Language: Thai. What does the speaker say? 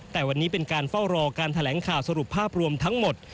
แต่วันนี้เป็นการเฝ้ารอการแถลงข่าวสรุปภาพรวมทั้งหมด